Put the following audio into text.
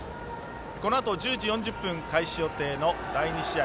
このあと１０時４０分開始予定の第２試合